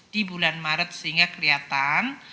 di bulan maret sehingga kelihatan